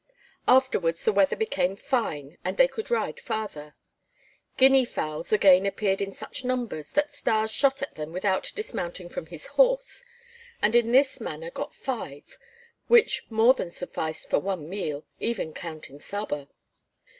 Afterwards the weather became fine and they could ride farther. Guinea fowls again appeared in such numbers that Stas shot at them without dismounting from his horse, and in this manner got five, which more than sufficed for one meal, even counting Saba.